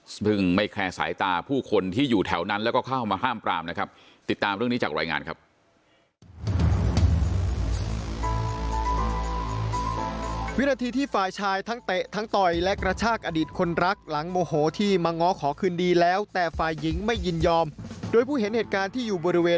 ซึ่งไม่แคร์สายตาผู้คนที่อยู่แถวนั้นแล้วก็เข้ามาห้ามกรามนะครับ